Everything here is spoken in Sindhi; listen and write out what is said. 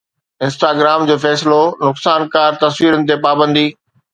انسٽاگرام جو فيصلو نقصانڪار تصويرن تي پابندي